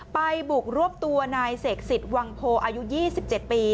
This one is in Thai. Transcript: ไปบุกรวบตัวในเสกศิษย์วังโพอายุ๒๗ปี